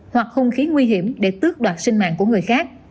hoặc hung khí nguy hiểm để tước đoạt sinh mạng của người khác